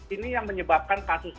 ini yang menyebabkan kasus